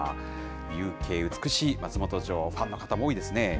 夕景美しい松本城、ファンの方も多いですね。